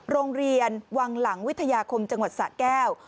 โรงเรียนวังหลังวิทยาคมจังหวัดสะแก้ว